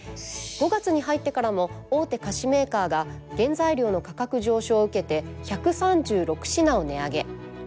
５月に入ってからも大手菓子メーカーが原材料の価格上昇を受けて１３６品を値上げ。